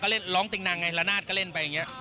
หลางติ้งนางไงระนาฏก็เล่นไปอย่างเงี้ย